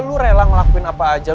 lu rela ngelakuin apa aja